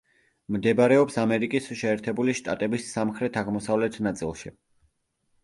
მდებარეობს ამერიკის შეერთებული შტატების სამხრეთ-აღმოსავლეთ ნაწილში.